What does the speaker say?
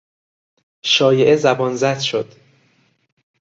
شایعه زبانزد شد.